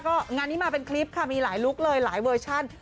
ก็งานนี้มาเป็นคลิปค่ะมีหลายลุคเลยหลายเวอร์ชัน